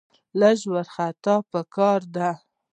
لږ احتیاط په کار دی.